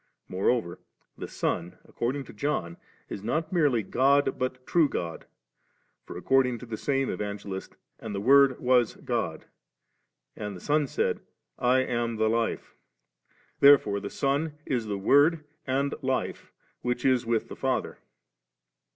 Moreover, the Son, according to John, is not merely ' God^ but 'True God;' for according to the same Evangelist, 'And the Word was God;' and the Son s^d, ' I am the Life 1' Therefore the Son is the Word and Life which is with the Father.